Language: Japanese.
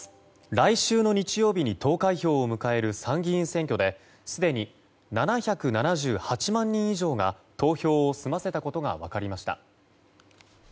来週の日曜日に投開票を迎える参議院選挙ですでに７７８万人以上が投票を済ませたことが分かりました。